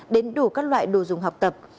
đến đủ các loại đồ dùng học tập